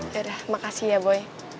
yaudah makasih ya boy